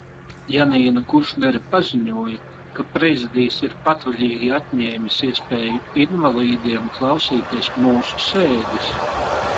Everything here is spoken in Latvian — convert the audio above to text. Janīna Kušnere paziņoja, ka Prezidijs ir patvaļīgi atņēmis iespēju invalīdiem klausīties mūsu sēdes.